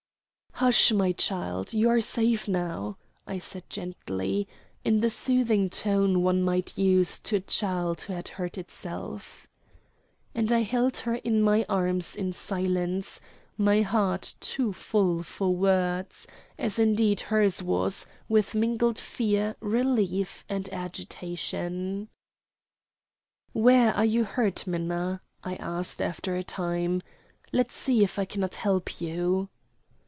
"Hush, my child. You are safe now," I said gently, in the soothing tone one might use to a child who had hurt itself. And I held her in my arms in silence, my heart too full for words, as, indeed, hers was, with mingled fear, relief, and agitation. "Where are you hurt, Minna?" I asked after a time. "Let's see if I cannot help you."